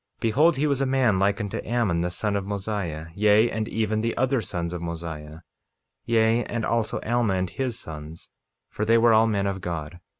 48:18 Behold, he was a man like unto Ammon, the son of Mosiah, yea, and even the other sons of Mosiah, yea, and also Alma and his sons, for they were all men of God.